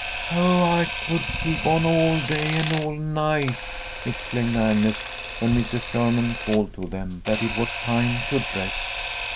"Oh, I could keep on all day and all night!" exclaimed Agnes, when Mrs. Sherman called to them that it was time to dress.